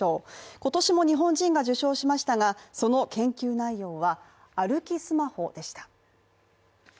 今年も日本人が受賞しましたがその研究内容は歩きスマホでした。